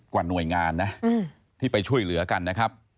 กว่าหน่วยงานนะที่ไปช่วยเหลือกันนะครับ